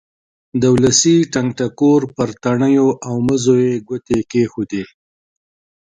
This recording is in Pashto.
د ولسي ټنګ ټکور پر تڼیو او مزو یې ګوتې کېښودې.